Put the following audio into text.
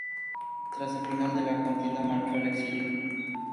Tras el final de la contienda marchó al exilio.